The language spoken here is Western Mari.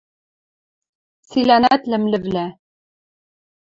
ЦИЛӒНӒТ ЛӸМЛӸВЛӒ